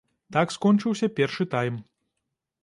Так скончыўся першы тайм.